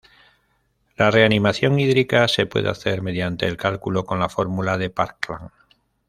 La reanimación hídrica se puede hacer mediante el cálculo con la Fórmula de Parkland.